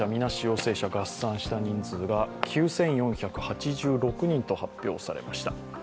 陽性者合算した人数が９４８６人と発表されました。